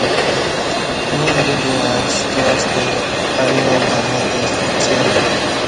ییں دیو دُویاں ستا ستہ ایوعں دمہتی سُپچے